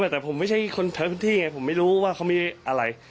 แต่ผมไม่ใช่คนแถวพื้นที่ไงผมไม่รู้ว่าเขามีอะไร